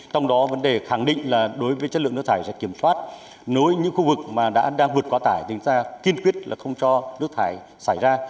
trong đó vấn đề khẳng định là đối với chất lượng nước thải sẽ kiểm soát nối những khu vực mà đã đang vượt quá tải thì chúng ta kiên quyết là không cho nước thải xảy ra